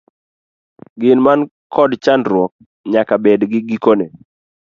Gin man kod chakruok nyaka bed gi gikone.